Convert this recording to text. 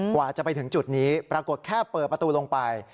กว่าจะไปถึงจุดนี้ปรากฏแค่เปิดประตูลงไป